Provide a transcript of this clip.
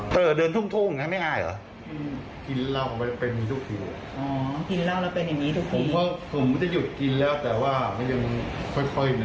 ก็ขายกันขายทุกวันมาละกันครับ